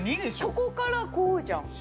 ここからこうじゃん